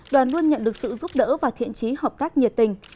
đoàn luôn nhận được sự giúp đỡ và thiện trí hợp tác nhiệt tình